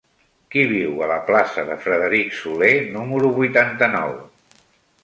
Qui viu a la plaça de Frederic Soler número vuitanta-nou?